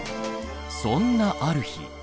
そんなある日。